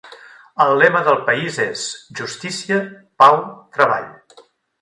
El lema del país és: "Justícia, Pau, Treball".